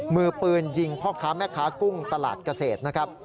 มือปืนยิงพ่อค้าแม่ค้ากุ้งตลาดเกษตรนะครับ